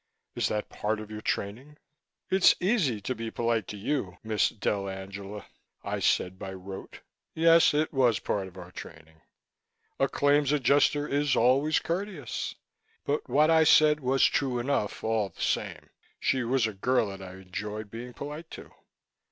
Is that part of your training?" "It's easy to be polite to you, Miss dell'Angela," I said by rote. Yes, it was part of our training: A Claims Adjuster is always courteous. But what I said was true enough, all the same. She was a girl that I enjoyed being polite to.